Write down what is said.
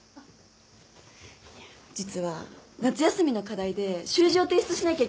実は夏休みの課題で習字を提出しなきゃいけないんだ。